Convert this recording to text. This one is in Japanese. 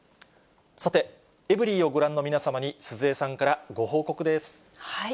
さて、エブリィをご覧の皆様に、鈴江さんからご報告です。